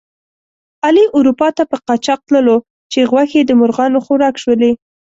علي اروپا ته په قاچاق تللو چې غوښې د مرغانو خوراک شولې.